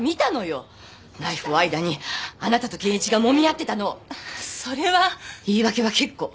ナイフを間にあなたと謙一がもみ合ってたのをそれは⁉言い訳は結構！